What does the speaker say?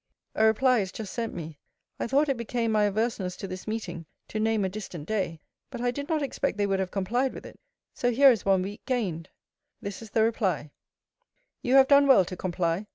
A reply is just sent me. I thought it became my averseness to this meeting, to name a distant day: but I did not expect they would have complied with it. So here is one week gained! This is the reply: You have done well to comply.